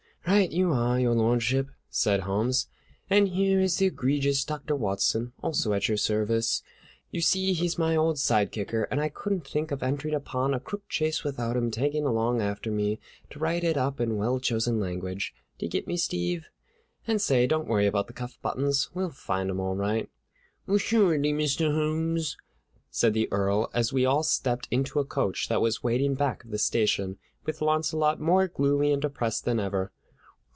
"Right you are, Your Lordship," said Holmes, "and here is the egregious Dr. Watson, also at your service. You see, he's my old side kicker, and I couldn't think of entering upon a crook chase without him tagging along after me to write it up in well chosen language. Do you get me, Steve? And, say, don't worry about the cuff buttons. We'll find 'em all right." "Assuredly, Mr. Holmes," said the Earl, as we all stepped into a coach that was waiting back of the station, with Launcelot more gloomy and depressed than ever.